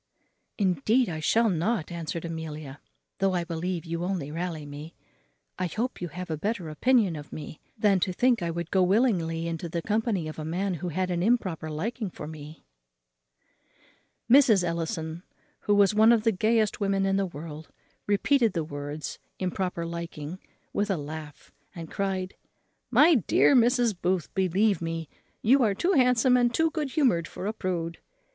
"Indeed I shall not," answered Amelia, "though I believe you only rally me; I hope you have a better opinion of me than to think I would go willingly into the company of a man who had an improper liking for me." Mrs. Ellison, who was one of the gayest women in the world, repeated the words, improper liking, with a laugh; and cried, "My dear Mrs. Booth, believe me, you are too handsome and too good humoured for a prude.